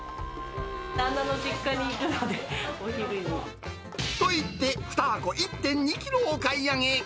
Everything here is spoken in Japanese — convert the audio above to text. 旦那の実家に行くので、と言って、２箱１．２キロお買い上げ。